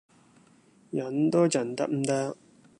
忍多陣得唔得